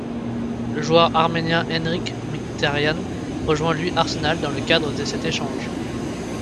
Le joueur arménien Henrikh Mkhitaryan rejoint lui Arsenal dans le cadre de cet échange.